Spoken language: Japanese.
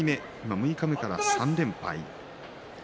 六日目から３連敗。